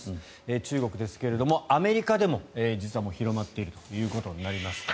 中国ですがアメリカでも実はもう広まっているということになります。